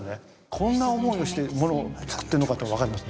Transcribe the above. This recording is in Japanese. こんな思いをしてものを作ってるのかと分かります